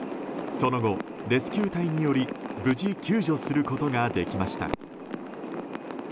その後、レスキュー隊により無事、救助することができました。